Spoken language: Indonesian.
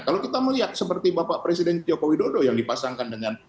kalau kita melihat seperti bapak presiden joko widodo yang dipasangkan dengan